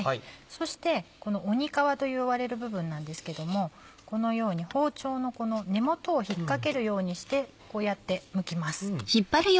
そしてこの鬼皮と呼ばれる部分なんですけどもこのように包丁の根元を引っかけるようにしてこうやってむきます。